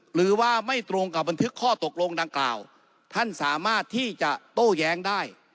หรือว่าไม่ตรงกับบันทึกข้อตกลงดังกล่าวท่านสามารถที่จะโต้แย้งได้